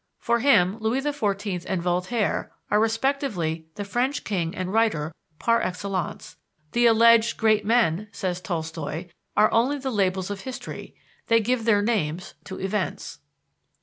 For him, Louis XIV and Voltaire are respectively the French king and writer par excellence. "The alleged great men," says Tolstoi, "are only the labels of history, they give their names to events."